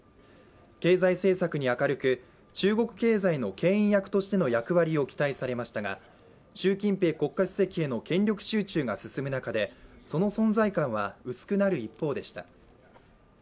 経済政策に明るく、中国経済のけん引役としての役割を期待されましたが、習近平国家主席への権力集中が進む中でその存在感は薄くなる一方でした。